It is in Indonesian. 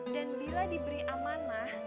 dan bila diberi amanah